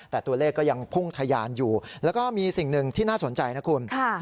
แต่ตัวเลขก็ยังพุ่งทะยานอยู่แล้วก็มีสิ่งหนึ่งที่น่าสนใจนะคุณ